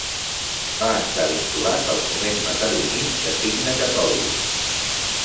Va estar vinculat al Foment Mataroní, de signe catòlic.